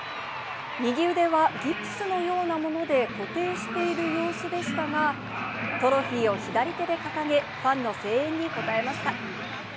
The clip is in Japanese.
右腕はギプスのようなもので固定している様子でしたが、トロフィーを左手で掲げ、ファンの声援に応えました。